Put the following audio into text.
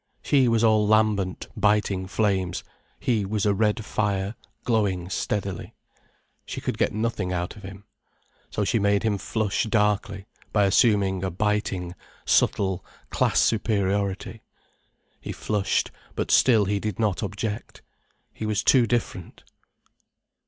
She was all lambent, biting flames, he was a red fire glowing steadily. She could get nothing out of him. So she made him flush darkly by assuming a biting, subtle class superiority. He flushed, but still he did not object. He was too different.